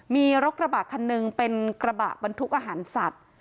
มีรถกระบะคันหนึ่งเป็นกระบะบรรทุกอาหารสัตว์